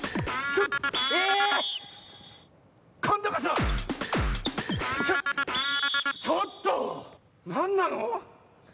ちょっとなんなの？